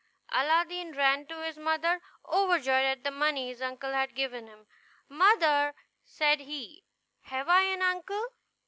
Aladdin ran to his mother, overjoyed at the money his uncle had given him. "Mother," said he, "have I an uncle?"